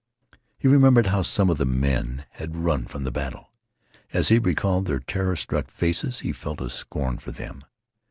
He remembered how some of the men had run from the battle. As he recalled their terror struck faces he felt a scorn for them.